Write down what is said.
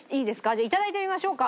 じゃあいただいてみましょうか。